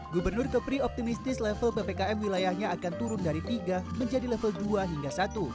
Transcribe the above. gubernur kepri optimistis level ppkm wilayahnya akan turun dari tiga menjadi level dua hingga satu